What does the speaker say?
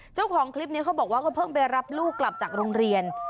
เจ้าของคลิปนี้เขาบอกว่าเขาเพิ่งไปรับลูกกลับจากโรงเรียน